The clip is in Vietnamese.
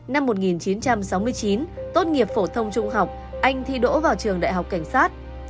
năm một nghìn chín trăm sáu mươi chín tốt nghiệp phổ thông trung học anh thi đỗ vào trường đại học cảnh sát